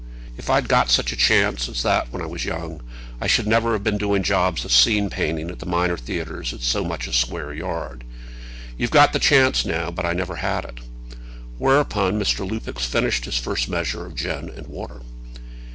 If I'd got such a chance as that when I was young, I should never have been doing jobs of scene painting at the minor theatres at so much a square yard. You've got the chance now, but I never had it." Whereupon Mr. Lupex finished his first measure of gin and water.